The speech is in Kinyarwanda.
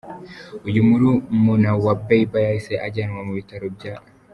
Uyu murumuna wa Bieber yahise ajyanwa mu bitaro bya.